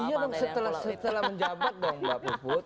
oh iya dong setelah menjabat dong mbak puput